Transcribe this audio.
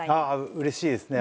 うれしいですね。